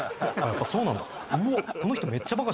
やっぱそうなんだうわ